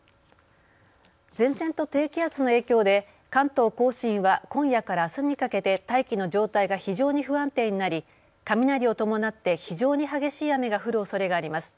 前線と低気圧の影響で関東甲信は今夜からあすにかけて大気の状態が非常に不安定になり雷を伴って非常に激しい雨が降るおそれがあります。